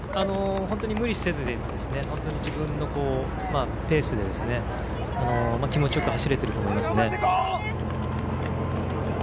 無理せず自分のペースで気持ちよく走れていると思います。